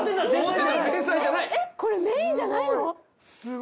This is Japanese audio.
・えっこれメインじゃないの？